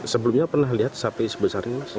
sebelumnya pernah lihat sapi sebesarnya